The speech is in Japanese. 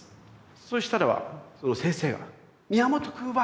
そうしたらばその先生が「宮本君は」